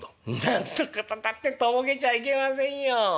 「何のことだってとぼけちゃいけませんよ。